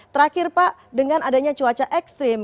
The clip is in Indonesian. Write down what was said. terakhir pak dengan adanya cuaca ekstrim